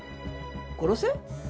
殺せ？